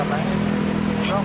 itu doang sih bang